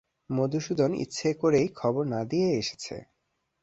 মধুসূদন ইচ্ছে করেই খবর না দিয়েই এসেছে।